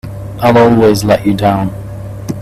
I'll always let you down!